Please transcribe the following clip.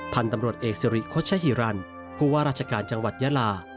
พันธุ์ตำรวจเอกสิริโฆษหิรันผู้ว่าราชการจังหวัดยาลา